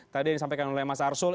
tadi yang disampaikan oleh mas arsul